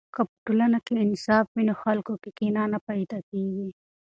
که په ټولنه کې انصاف وي، نو خلکو کې کینه نه پیدا کیږي.